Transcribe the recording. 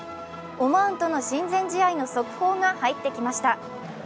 オマーンとの親善試合の速報が入ってきました。